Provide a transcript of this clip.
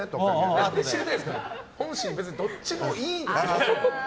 本心、どっちもいいですよ。